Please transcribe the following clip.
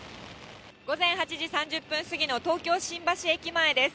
午前８時３０分過ぎの東京・新橋駅前です。